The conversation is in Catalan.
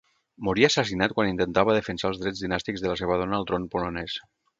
Morí assassinat quan intentava defensar els drets dinàstics de la seva dona al tron polonès.